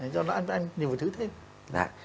cho nên ăn nhiều thứ thêm